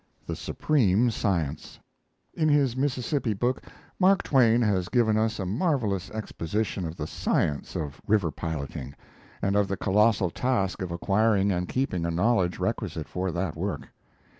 THE SUPREME SCIENCE In his Mississippi book Mark Twain has given us a marvelous exposition of the science of river piloting, and of the colossal task of acquiring and keeping a knowledge requisite for that work.